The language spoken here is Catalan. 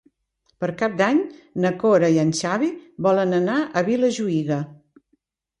Per Cap d'Any na Cora i en Xavi volen anar a Vilajuïga.